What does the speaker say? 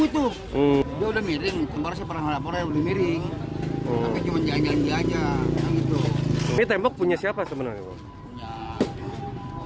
tembok punya siapa sebenarnya